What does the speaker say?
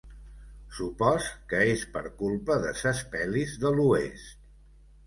Supòs que és per culpa de ses pel·lis de l'Oest.